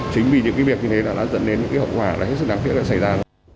chính vì những cái việc như thế đã dẫn đến những cái hậu quả là hết sức đáng tiếc đã xảy ra